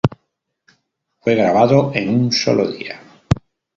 Fue grabado en un solo día.